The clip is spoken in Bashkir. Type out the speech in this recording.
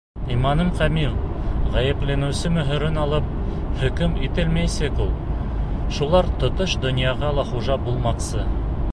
Иманым камил, ғәйепләнеүсе мөһөрөн алып, хөкөм ителмәйәсәк ул. Шулар тотош донъяға ла хужа булмаҡсы.